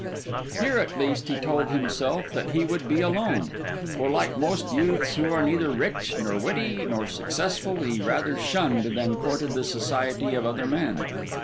Here, at least, he told himself that he would be alone; for, like most youths, who are neither rich, nor witty, nor successful, he rather shunned than courted the society of other men.